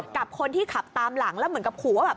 กับคนที่ขับตามหลังแล้วเหมือนกับขู่ว่าแบบ